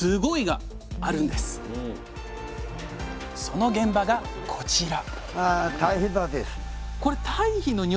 その現場がこちら！